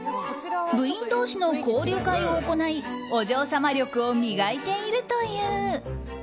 部員同士の交流会を行いお嬢様力を磨いているという。